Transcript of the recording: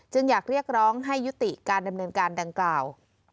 อยากเรียกร้องให้ยุติการดำเนินการดังกล่าว